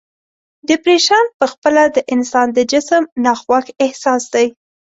ډپریشن په خپله د انسان د جسم ناخوښ احساس دی.